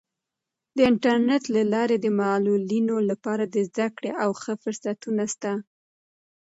د انټرنیټ له لارې د معلولینو لپاره د زده کړې او ښه فرصتونه سته.